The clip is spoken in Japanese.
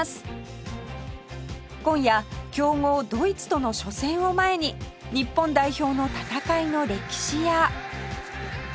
今夜強豪ドイツとの初戦を前に日本代表の戦いの歴史や